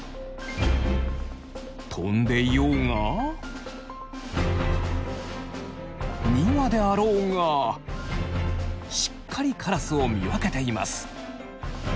飛んでいようが２羽であろうがしっかりカラスを見分けています。